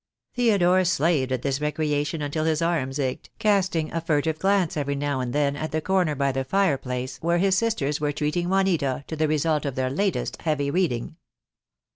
Theodore slaved at this recreation until his arms ached, casting a furtive glance every now and then at the corner by the fireplace where his sisters were treating Juanita to the result of their latest heavy reading.